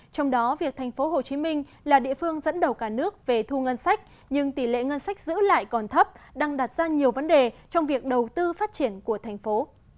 trong đó việc tp hcm là địa phương dẫn đầu cả nước về thu ngân sách nhưng tỷ lệ ngân sách giữ lại còn thấp đang đặt ra nhiều vấn đề trong việc đầu tư phát triển của thành phố